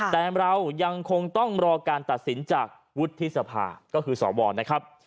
แต่เรายังคงต้องรอการตัดสินจากวุฒิสภาก็คือสวนะครับ